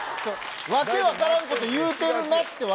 訳分からんこと言うてるなって笑